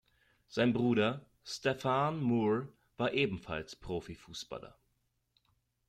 Sein Bruder Stefan Moore war ebenfalls Profifußballer.